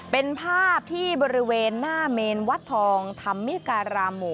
เป็นภาพที่บริเวณหน้าเมนวัดทองธรรมิการาหมู่